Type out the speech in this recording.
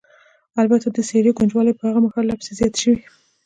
البته د څېرې ګونجوالې به یې هغه مهال لا پسې زیاتې شوې.